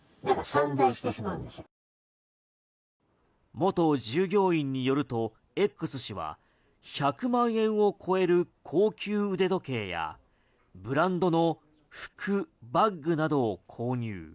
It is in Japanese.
元従業員によるとＸ氏は１００万円を超える高級腕時計やブランドの服バッグなどを購入。